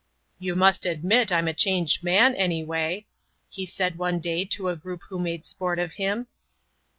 "You must admit I'm a changed man, anyway," he said one day to a group who made sport of him.